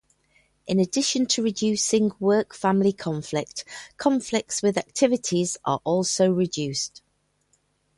In addition to reducing work-family conflict, conflicts with activities are also reduced.